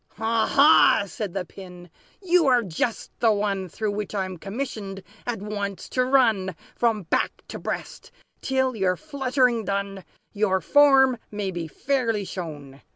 "Ha, ha!" said the Pin, "you are just the one Through which I'm commissioned, at once, to run From back to breast, till, your fluttering done, Your form may be fairly shown.